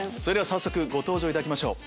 早速ご登場いただきましょう。